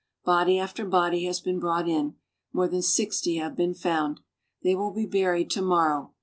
Body after body has been brought in. More than 60 have been found; they will be buried to morrow.